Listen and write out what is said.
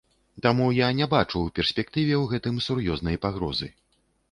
Таму я не бачу ў перспектыве ў гэтым сур'ёзнай пагрозы.